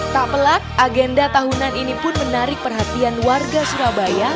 tak pelak agenda tahunan ini pun menarik perhatian warga surabaya